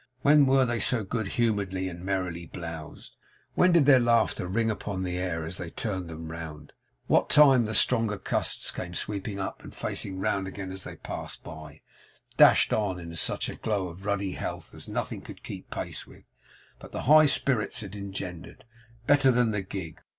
when were they so good humouredly and merrily bloused? when did their laughter ring upon the air, as they turned them round, what time the stronger gusts came sweeping up; and, facing round again as they passed by, dashed on, in such a glow of ruddy health as nothing could keep pace with, but the high spirits it engendered? Better than the gig!